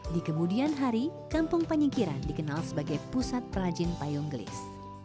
di kemudian hari kampung panyingkiran dikenal sebagai pusat perajin payung gelis